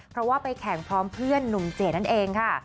เพราะว่าไปแข่งพร้อมเพื่อนหนุ่มเจดนั่นเองค่ะ